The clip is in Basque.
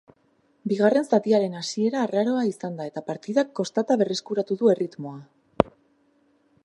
Bigarren zatiaren hasiera arraroa izan da eta partidak kostata berreskuratu du erritmoa.